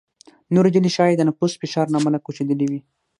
نورې ډلې ښايي د نفوس فشار له امله کوچېدلې وي.